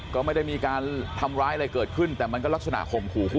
ก็ไม่ได้มีการทำร้ายอะไรเกิดขึ้นแต่มันก็ลักษณะข่มขู่คู่